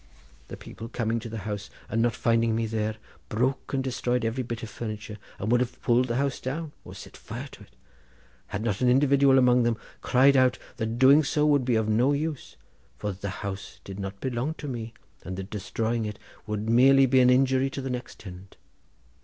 The people coming to the house, and not finding me there, broke and destroyed every bit of furniture, and would have pulled the house down, or set fire to it, had not an individual among them cried out that doing so would be of no use, for that the house did not belong to me, and that destroying it would merely be an injury to the next tenant.